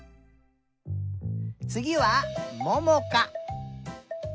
つぎはももか。